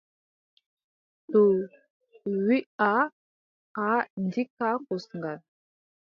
Ndu wiiʼa: aaʼa ndikka kosngal.